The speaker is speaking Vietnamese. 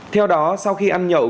theo đó sau khi ăn nhậu